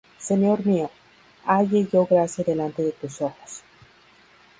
Señor mío, halle yo gracia delante de tus ojos;